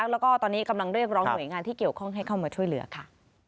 แล้วก็ตอนนี้กำลังเรียกร้องหน่วยงานที่เกี่ยวข้องให้เข้ามาช่วยเหลือค่ะ